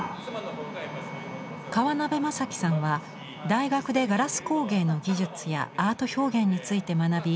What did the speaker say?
川邉雅規さんは大学でガラス工芸の技術やアート表現について学び